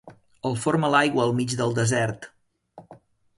El forma l'aigua al mig del desert.